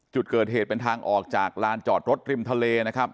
จุดเกิดเหตุเป็นทางออกจากลานจอดรถริมทะเลนะครับ